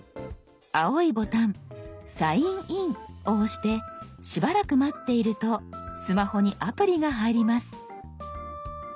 青いボタン「サインイン」を押してしばらく待っているとスマホにアプリが入ります。